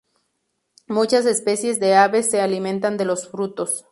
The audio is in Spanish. Muchas especies de aves se alimentan de los frutos.